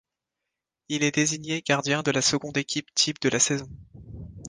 Il est désigné gardien de la seconde équipe type de la saison.